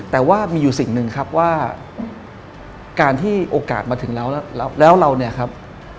แต่ว่ามีอยู่สิ่งหนึ่งครับว่าการที่โอกาสมาถึงแล้วแล้วเราเนี่ยครับ